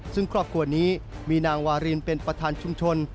ซึ่งครอบครัวนี้มีนางวารินเป็นประธานชุมชน